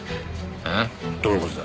あぁ？どういう事だ。